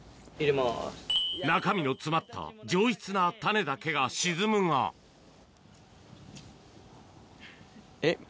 中身の詰まった上質な種だけえっ？